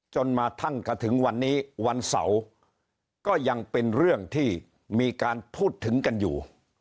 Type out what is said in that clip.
จนกระทั่งกระถึงวันนี้วันเสาร์ก็ยังเป็นเรื่องที่มีการพูดถึงกันอยู่